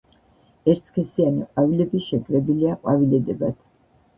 ერთსქესიანი ყვავილები შეკრებილია ყვავილედებად.